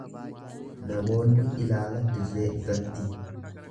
Namoonni ilaala dirree irratti.